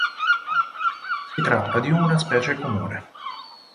Si tratta di una specie comune.